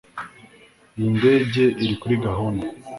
Iyi ndege iri kuri gahunda